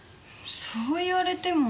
そう言われても。